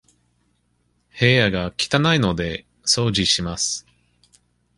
部屋が汚いので、掃除します。